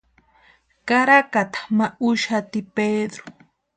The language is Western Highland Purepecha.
Karakata ma úxati Pedru.